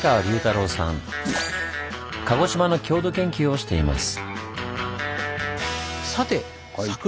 鹿児島の郷土研究をしています。